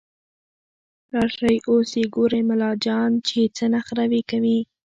راشئ اوس يې ګورئ ملا جان چې څه نخروې کوي